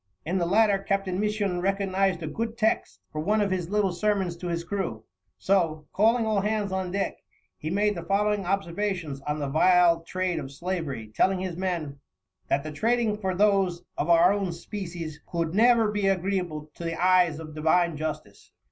In the latter Captain Misson recognized a good text for one of his little sermons to his crew, so, calling all hands on deck, he made the following observations on the vile trade of slavery, telling his men: "That the Trading for those of our own Species, cou'd never be agreeable to the Eyes of divine Justice.